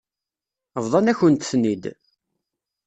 Bḍan-akent-ten-id.